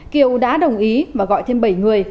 kiều đã đồng ý và gọi thêm bảy người